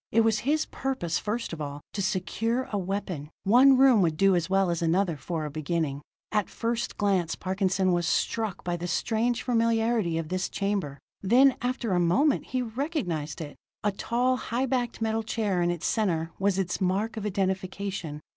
It was his purpose, first of all, to secure a weapon; one room would do as well as another for a beginning. At first glance Parkinson was struck by the strange familiarity of this chamber: then, after a moment, he recognized it. A tall, high backed metal chair in its center was its mark of identification.